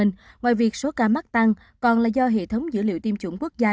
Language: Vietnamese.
ngoài việc số ca mắc tăng còn là do hệ thống dữ liệu tiêm chủng quốc gia